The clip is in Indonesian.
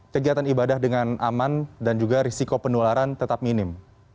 kegiatan ibadah dengan aman dan juga risiko penularan tetap minim